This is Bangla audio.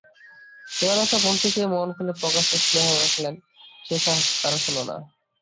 এই অনাথা বোনটিকে মন খুলে প্রকাশ্যে স্নেহ দেখালেন, সে সাহস তাঁর হল না।